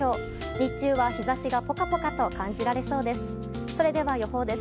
日中は日差しがポカポカと感じられそうです。